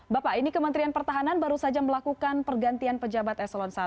bapak ini kementerian pertahanan baru saja melakukan pergantian pejabat eselon i